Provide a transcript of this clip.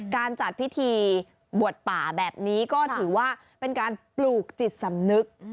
การจัดพิธีบวชป่าแบบนี้ก็ถือว่าเป็นการปลูกจิตสำนึก